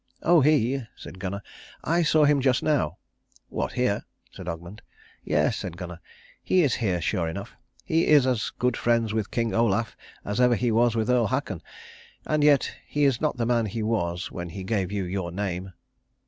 "Oh, he!" said Gunnar. "I saw him just now." "What, here?" says Ogmund. "Yes," said Gunnar, "he is here sure enough. He is as good friends with King Olaf as ever he was with Earl Haakon, and yet he is not the man he was when he gave you your name."